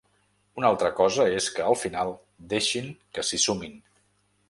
Una altra cosa és que al final deixin que s’hi sumin.